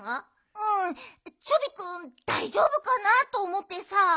うんチョビくんだいじょうぶかなあとおもってさ。